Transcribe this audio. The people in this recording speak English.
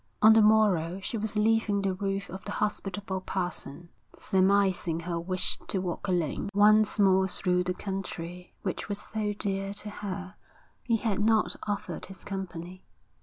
On the morrow she was leaving the roof of the hospitable parson. Surmising her wish to walk alone once more through the country which was so dear to her, he had not offered his company.